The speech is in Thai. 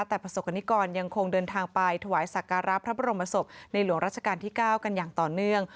แต่ประสบกรณิกรยังคงเดินทางไปถวายสักการะพระบรมศพในหลวงราชการที่๙กันอย่างต่อเนื่อง